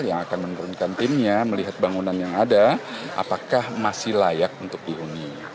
yang akan menurunkan timnya melihat bangunan yang ada apakah masih layak untuk dihuni